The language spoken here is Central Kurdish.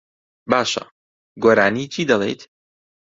باشە، گۆرانیی چی دەڵێیت؟